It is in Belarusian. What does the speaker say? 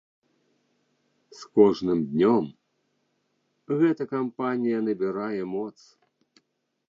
С кожным днём гэта кампанія набірае моц.